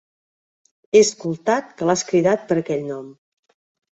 He escoltat que l"has cridat per aquell nom.